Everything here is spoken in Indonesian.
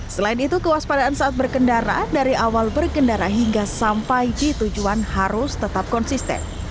selain itu kewaspadaan saat berkendara dari awal berkendara hingga sampai di tujuan harus tetap konsisten